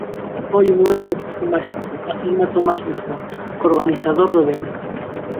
"Foi un momento case máxico" afirma Tomás Lijó, coorganizador do evento.